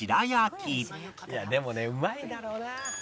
「いやでもねうまいだろうな！」